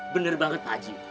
bener banget pak haji